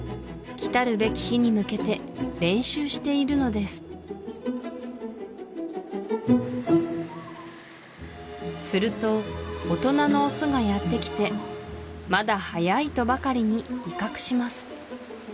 きたるべき日に向けて練習しているのですすると大人のオスがやってきて「まだ早い」とばかりに威嚇します